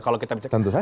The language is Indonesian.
kalau kita bicara